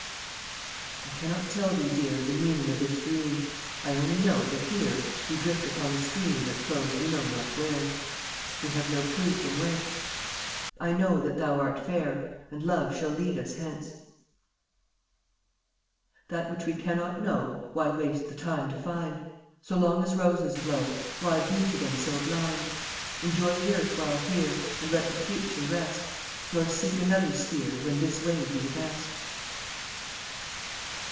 63 I cannot tell thee, Dear, The meaning of this Dream, I only know that here We drift upon a stream That flows we know not where, We have no clue from whence? I know that thou art fair And Love shall lead us hence. 64 That which we cannot know Why waste the time to find? So long as roses blow, Why be to them so blind? Enjoy the earth while here And let the Future rest, Nor seek another sphere When this way be the best.